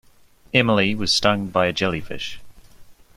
Emily was stung by a jellyfish.